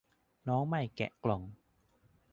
น้องใหม่แกะกล่อง